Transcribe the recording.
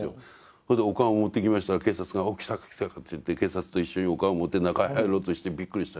それでお棺を持っていきましたら警察がお来たか来たかと言って警察と一緒にお棺を持って中へ入ろうとしてびっくりした。